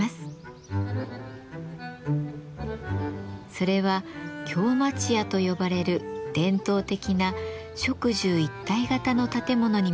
それは京町家と呼ばれる伝統的な職住一体型の建物に見ることができます。